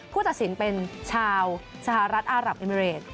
ผู้ตัดสินเป็นชาวสหรัฐอัรับอิมเมริเตอร์